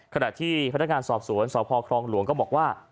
ขณะที่พนักงานสอบสวนสพครองหลวงก็บอกว่า